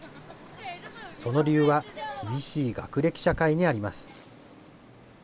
その理由は厳しい学歴社会にあります。